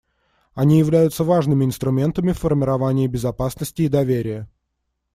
Они являются важными инструментами в формировании безопасности и доверия.